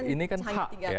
ini kan hak ya